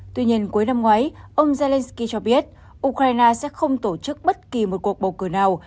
tuy nhiên cuối năm ngoái ông zelensky cho biết ukraine sẽ không tổ chức bất kỳ một cuộc bầu cử nào